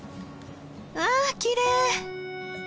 わあきれい！